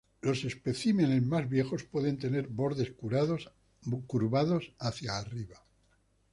Los especímenes más viejos pueden tener bordes curvados hacia arriba.